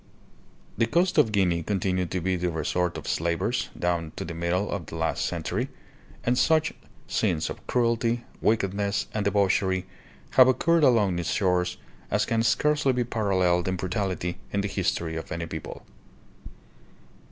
The coast of Guinea continued to be the resort of slavers down to the middle of the last century, and such scenes of cruelty, wickedness, and debauchery have occurred along its shores as can scarcely be paralleled in brutality in the history of any people.